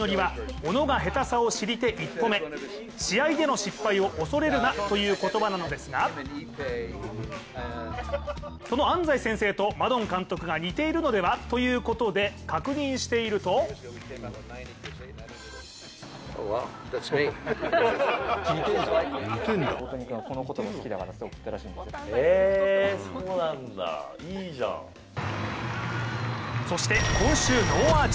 試合での失敗を恐れるなという言葉なのですがその安西先生とマドン監督が似ているのでは？ということで確認しているとそして、今週ノーアーチ。